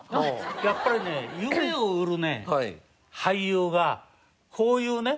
やっぱりね夢を売るね俳優がこういうね